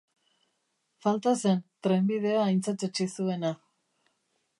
Falta zen, trenbidea aintzatetsi zuena.